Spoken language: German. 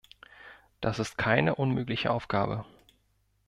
Das ist keine unmögliche Aufgabe.